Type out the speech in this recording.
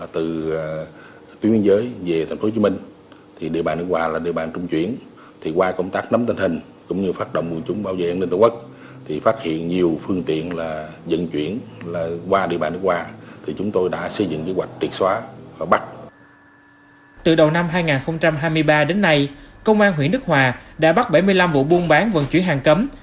từ đầu năm hai nghìn hai mươi ba đến nay công an huyện đức hòa đã bắt bảy mươi năm vụ buôn bán vận chuyển hàng cấm